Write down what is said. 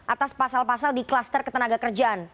atas pasal pasal di kluster ketenaga kerjaan